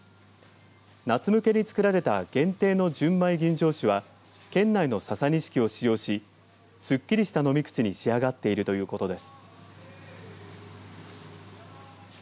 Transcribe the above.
夏向けにつくられた限定の純米吟醸酒は県内のササニシキを使用しすっきりした飲み口に仕上がっているということです。